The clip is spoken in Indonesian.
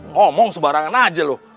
ngomong sebarangan aja loh